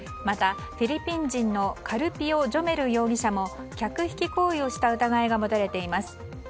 またフィリピン人のカルピオ・ジョメル容疑者も客引き行為をした疑いが持たれています。